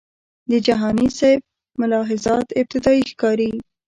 د جهانی سیب ملاحظات ابتدایي ښکاري.